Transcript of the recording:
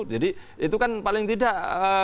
jadi itu kan paling tidak